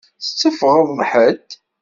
Tetteffɣeḍ d ḥedd?